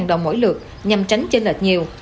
năm đồng mỗi lượt nhằm tránh trên lệch nhiều